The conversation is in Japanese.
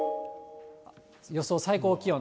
予想最高気温。